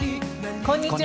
こんにちは。